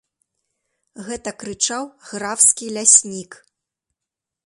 Гэта крычаў графскі ляснік.